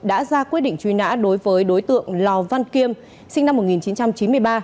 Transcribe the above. đã ra quyết định truy nã đối với đối tượng lò văn kiêm sinh năm một nghìn chín trăm chín mươi ba